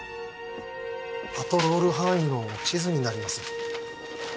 パトロール範囲の地図になります。